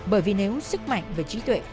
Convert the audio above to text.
bởi vì nếu sức mạnh và trí tuệ